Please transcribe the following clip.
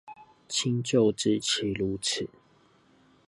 親舊知其如此